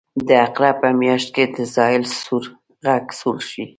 د عقرب په میاشت کې د زابل سور غر سوړ شي.